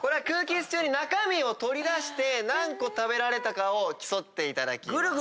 空気椅子中に中身を取り出して何個食べられたかを競っていただきます。